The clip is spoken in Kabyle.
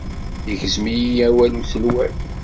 Igzem-iyi awal uselway.